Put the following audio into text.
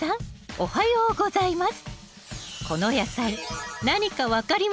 おはようございます。